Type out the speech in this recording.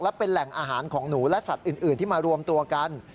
และเป็นแหล่งอาหารของหนูและสัตว์อื่นที่มารวมตัวกัน